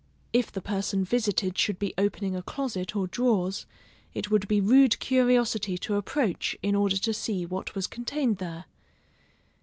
If the person visited should be opening a closet or drawers, it would be rude curiosity to approach in order to see what was contained there.